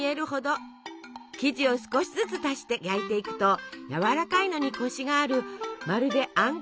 生地を少しずつ足して焼いていくとやわらかいのにコシがあるまるであん